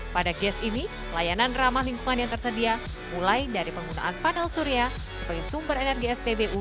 pada gas ini layanan ramah lingkungan yang tersedia mulai dari penggunaan panel surya sebagai sumber energi spbu